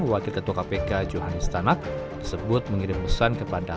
wakil ketua kpk juhani stanak tersebut mengirim pesan kepada